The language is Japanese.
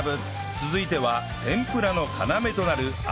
続いては天ぷらの要となる油の準備